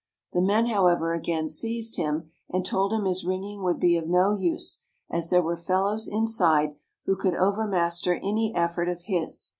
The men, however, again seized him, and told him his ringing would be of no use, as there were fellows inside who could overmaster any effort of his.